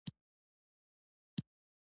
ایا زه باید بخار واخلم؟